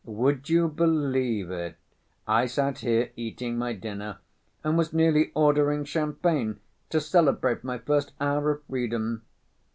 Would you believe, it, I sat here eating my dinner and was nearly ordering champagne to celebrate my first hour of freedom.